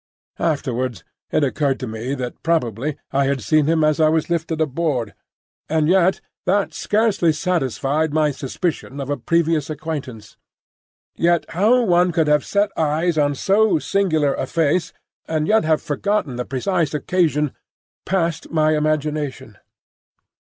Afterwards it occurred to me that probably I had seen him as I was lifted aboard; and yet that scarcely satisfied my suspicion of a previous acquaintance. Yet how one could have set eyes on so singular a face and yet have forgotten the precise occasion, passed my imagination.